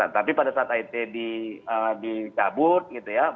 tapi pada saat ait dikabur gitu ya